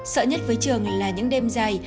sợ nhất với trường là những đêm dài